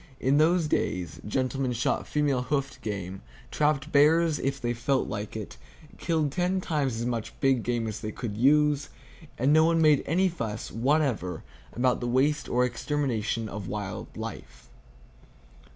In those days, gentlemen shot female hoofed game, trapped bears if they felt like it, killed ten times as much big game as they could use, and no one made any fuss whatever about the waste or extermination of wild life.